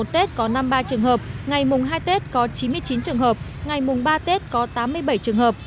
tết có năm mươi ba trường hợp ngày mùng hai tết có chín mươi chín trường hợp ngày mùng ba tết có tám mươi bảy trường hợp